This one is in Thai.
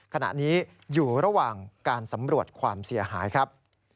ขณะนี้อยู่ระหว่างการสำรวจความเสียหายครับ